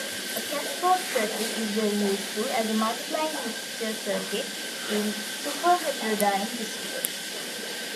A cascode circuit is very useful as a multiplying mixer circuit in superheterodyne receivers.